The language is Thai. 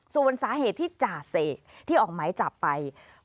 ส่วนสาเหตุที่จ่าเสกที่ออกหมายจับไป